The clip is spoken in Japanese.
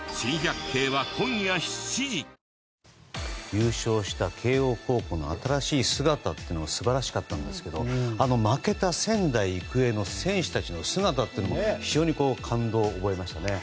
優勝した慶応高校の新しい姿というのは素晴らしかったんですが負けた仙台育英の選手たちの姿も非常に感動を覚えましたね。